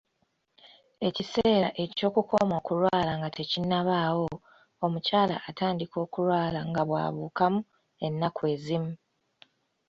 Ekiseera eky'okukoma okulwala nga tekinnabaawo, omukyala atandika okulwala nga bw'abuukamu ennaku ezimu